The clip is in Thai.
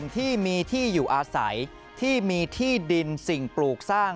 ที่มีที่อยู่อาศัยที่มีที่ดินสิ่งปลูกสร้าง